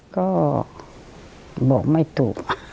ก็บอกไม่ถูก